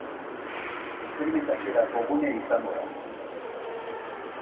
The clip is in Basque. Esperimentaziorako gune izango da.